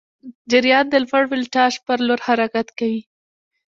جریان د لوړ ولتاژ پر لور حرکت کوي.